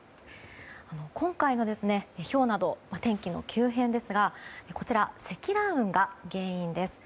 今回のひょうなど天気の急変ですが積乱雲が原因です。